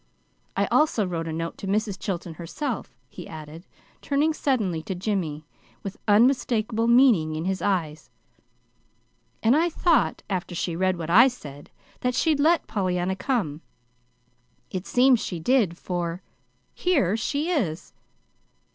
I also wrote a note to Mrs. Chilton herself," he added, turning suddenly to Jimmy, with unmistakable meaning in his eyes. "And I thought after she read what I said, that she'd let Pollyanna come. It seems she did, for here she is."